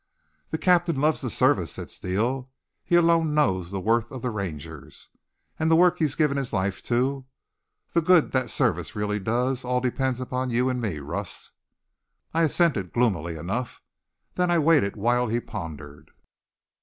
"The Captain loves the service," said Steele. "He alone knows the worth of the Rangers. And the work he's given his life to the good that service really does all depends on you and me, Russ!" I assented, gloomily enough. Then I waited while he pondered.